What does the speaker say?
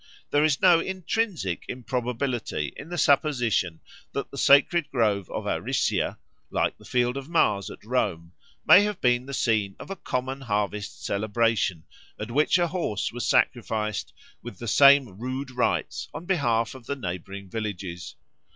There is no intrinsic improbability in the supposition that the sacred grove of Aricia, like the Field of Mars at Rome, may have been the scene of a common harvest celebration, at which a horse was sacrificed with the same rude rites on behalf of the neighbouring villages.